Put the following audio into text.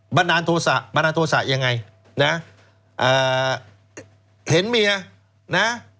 บันดาลโทษะบันดาลโทษะยังไงนะเห็นเมียนะ